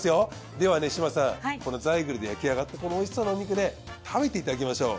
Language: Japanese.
では志真さんこのザイグルで焼きあがったこの美味しそうなお肉食べていただきましょう。